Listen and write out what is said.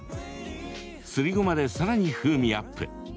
すりごまで、さらに風味アップ。